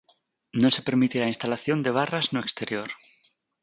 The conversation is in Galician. Non se permitirá a instalación de barras no exterior.